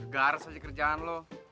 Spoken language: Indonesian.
garis aja kerjaan lo